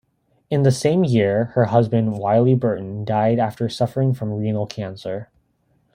In the same year, her husband, Wiley Burton, died after suffering from renal cancer.